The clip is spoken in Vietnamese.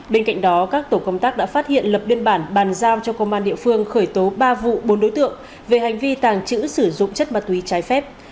bên cạnh đó các tổ công tác đã phát hiện lập biên bản bàn giao cho công an địa phương khởi tố ba vụ bốn đối tượng về hành vi tàng trữ sử dụng chất ma túy trái phép